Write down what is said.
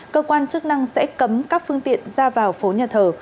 cơ quan chức năng sẽ cấm các phương tiện ra vào phố nhà thờ